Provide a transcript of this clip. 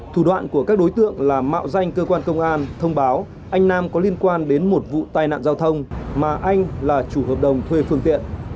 thủ đoạn của các đối tượng là mạo danh cơ quan công an thông báo anh nam có liên quan đến một vụ tai nạn giao thông mà anh là chủ hợp đồng thuê phương tiện